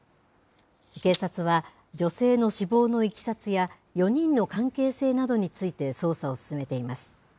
警察は女性の死亡のいきさつや、４人の関係性などについて、捜査を進めています。